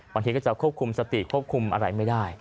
บางทีก็จะควบคุมสติควบคุมอะไรไม่ได้